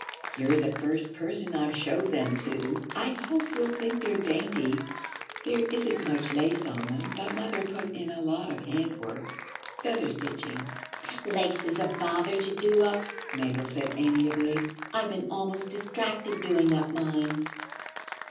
'You're the first person I've shown them to. I hope you'll think they're dainty. There isn't much lace on them, but mother put in a lot of handwork feather stitching.' 'Lace is a bother to do up,' Mabel said amiably. 'I've been almost distracted doing up mine.'